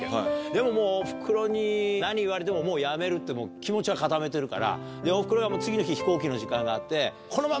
でももうお袋に何言われてももうやめるって気持ちは固めてるからお袋は次の日飛行機の時間があって。